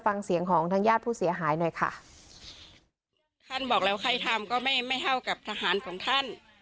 ฟังเสียงของทางญาติผู้เสียหายหน่อยค่ะท่านบอกแล้วใครทำก็ไม่ไม่เท่ากับทหารของท่าน